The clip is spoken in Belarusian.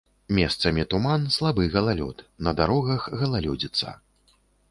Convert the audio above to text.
Месцамі туман, слабы галалёд, на дарогах галалёдзіца.